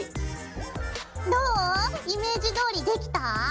どう？イメージどおりできた？